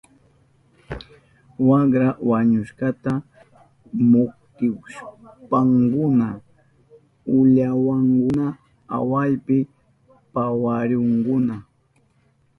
Wakra wañushkata muktishpankuna ullawankakuna awapi pawarihunkuna.